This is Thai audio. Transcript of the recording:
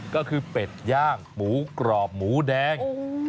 ก็คือเป็ดย่างหมูกรอบหมูแดง